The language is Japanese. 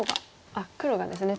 あっ黒がですね